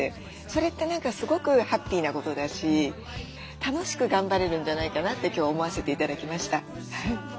それって何かすごくハッピーなことだし楽しく頑張れるんじゃないかなって今日思わせて頂きました。